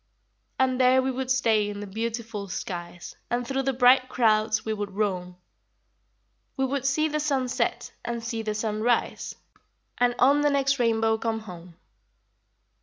And there we would stay In the beautiful skies, And through the bright clouds we would roam; We would see the sun set, And see the sun rise, And on the next rainbow come home.